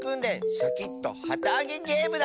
シャキットはたあげゲームだ！